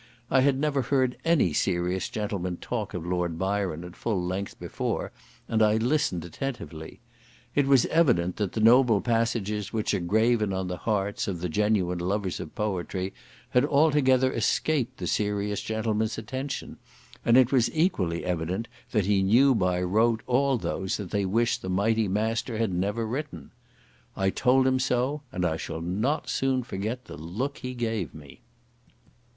I had never heard any serious gentleman talk of Lord Byron at full length before, and I listened attentively. It was evident that the noble passages which are graven on the hearts of the genuine lovers of poetry had altogether escaped the serious gentleman's attention; and it was equally evident that he knew by rote all those that they wish the mighty master had never written. I told him so, and I shall not soon forget the look he gave me.